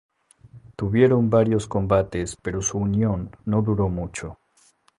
Tuvieron varios combates pero su unión no duró mucho.